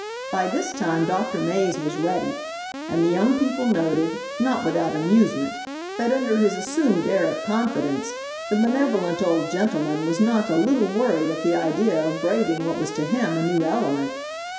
By this time Doctor Mays was ready, and the young people noted, not without amusement, that under his assumed air of confidence the benevolent old gentleman was not a little worried at the idea of braving what was to him a new element.